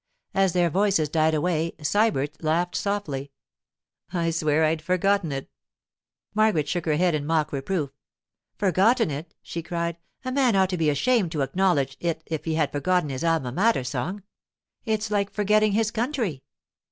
As their voices died away Sybert laughed softly. 'I swear I'd forgotten it!' Margaret shook her head in mock reproof. 'Forgotten it!' she cried. 'A man ought to be ashamed to acknowledge it if he had forgotten his Alma Mater song. It's like forgetting his country.